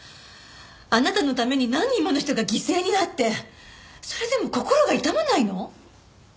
あなたのために何人もの人が犠牲になってそれでも心が痛まないの？